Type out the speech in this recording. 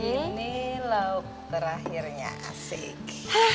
ini lauk terakhirnya asik